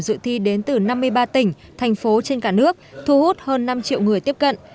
dự thi đến từ năm mươi ba tỉnh thành phố trên cả nước thu hút hơn năm triệu người tiếp cận